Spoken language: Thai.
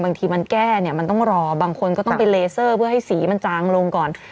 บางทีมันแก้เนี่ยมันต้องรอบางคนก็ต้องไปเลเซอร์เพื่อให้สีมันจางลงก่อน